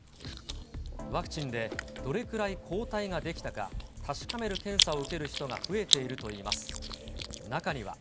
ワクチンでどれくらい抗体が出来たか確かめる検査を受ける人が増えているといいます。